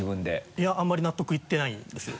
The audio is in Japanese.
いやあんまり納得いってないんですよ。